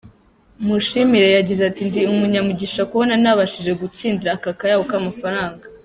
Mushimire yagize ati” Ndi umunyamugisha kubona nabashije gutsindira aka kayabo k’amafaranga.